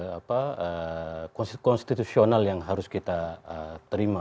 apa konstitusional yang harus kita terima